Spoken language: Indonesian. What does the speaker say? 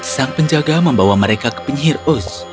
sang penjaga membawa mereka ke penyihir oz